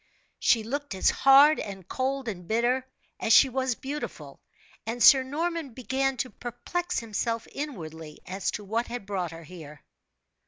She looked as hard and cold and bitter, as she was beautiful; and Sir Norman began to perplex himself inwardly as to what had brought her here.